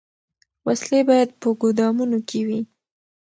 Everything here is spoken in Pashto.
وسلې باید په ګودامونو کي وي.